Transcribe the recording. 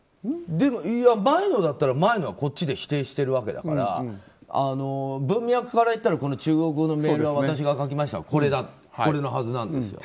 前のだったら、前のはこっちで否定してるわけだから文脈から言ったら中国語のメールは私が書きましたってこれのはずなんですよ。